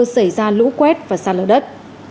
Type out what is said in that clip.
xảy ra lũ quét và xa lở đất